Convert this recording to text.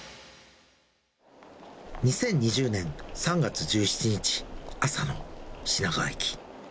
２０２０年３月１７日、朝の品川駅。